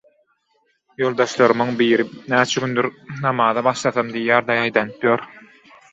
Ýoldaşlarymyň biri näçe gündir namaza başlasam diýýär-de ýaýdanyp ýör.